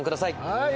はい。